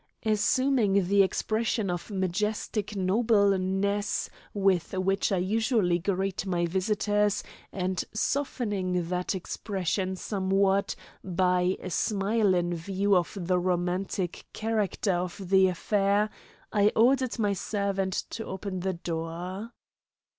Assuming the expression of majestic nobleness with which I usually greet my visitors, and softening that expression somewhat by a smile in view of the romantic character of the affair, I ordered my servant to open the door.